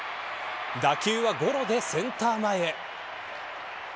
打球はゴロでセンター前へ。